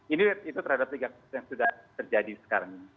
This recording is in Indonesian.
ini itu terhadap tiga kasus yang sudah terjadi sekarang ini